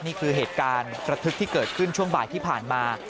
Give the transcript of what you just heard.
นี่คือเหตุการณ์ระทึกที่เกิดขึ้นช่วงบ่ายที่ผ่านมา